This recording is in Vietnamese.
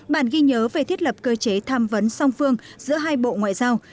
bản ghi nhớ về thiết lập cơ chế tham vấn song phương giữa hai bộ ngoại giao